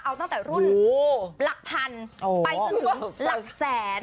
เอาตั้งแต่รุ่นหลักพันไปกึ่งหรือหลักแสน